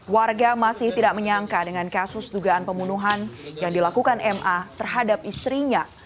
warga masih tidak menyangka dengan kasus dugaan pembunuhan yang dilakukan ma terhadap istrinya